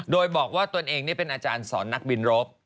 โดยบอกว่าตนเองเป็นอาจารย์สอนนักบินรบ